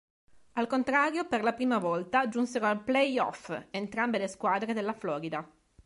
Al contrario per la prima volta giunsero ai playoff entrambe le squadre della Florida.